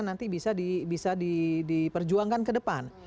nanti bisa diperjuangkan ke depan